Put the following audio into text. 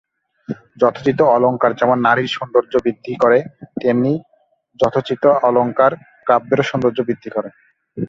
যথোচিত অলঙ্কার যেমন নারীর সৌন্দর্য বৃদ্ধি করে, তেমনি যথোচিত অলঙ্কার কাব্যেরও সৌন্দর্য বৃদ্ধি করে।